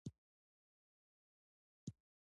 د افغانستان په منظره کې د اوبو سرچینې ښکاره ده.